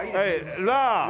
「ラー」。